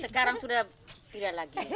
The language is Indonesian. sekarang sudah tidak lagi